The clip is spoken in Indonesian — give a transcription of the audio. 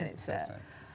ini adalah pertama kali